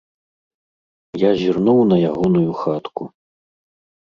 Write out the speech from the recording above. Я зірнуў на ягоную хатку.